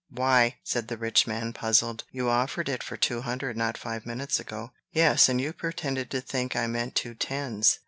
"Why!" said the rich man, puzzled, "you offered it for two hundred, not five minutes ago." "Yes; and you pretended to think I meant two tens."